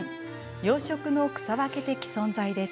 洋食の草分け的存在です。